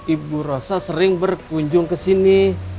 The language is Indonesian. ibu rosa sering berkunjung kesini